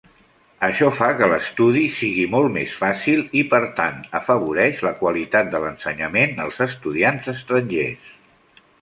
Això fa que l'estudi sigui molt més fàcil i, per tant, afavoreix la qualitat de l'ensenyament als estudiants estrangers.